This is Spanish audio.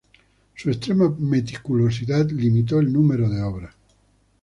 Su extrema meticulosidad limitó el número de obras.